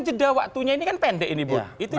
jeda waktunya ini kan pendek ini bu itu